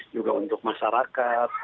juga untuk masyarakat